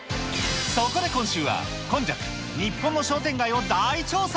そこで今週は、今昔日本の商店街を大調査。